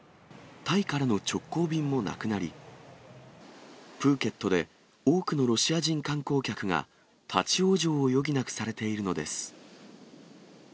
タイからの直行便もなくなり、プーケットで多くのロシア人観光客が立往生を余儀なくされているのです。